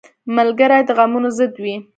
ملګری د غمونو ضد وي